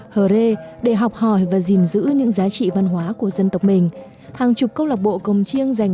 hờ rê để học hỏi và gìn giữ những giá trị văn hóa của dân tộc mình hàng chục câu lạc bộ cồng chiêng dành